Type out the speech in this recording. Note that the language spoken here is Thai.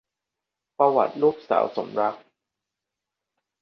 ประวัติลูกสาวสมรักษ์